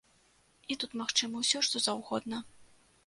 І тут магчыма ўсё што заўгодна.